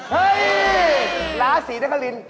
เฮ้ยล้านสีนขาลิน